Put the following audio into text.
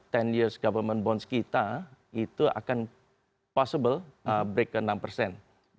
sepuluh years government bonds kita itu akan possible break ke enam persen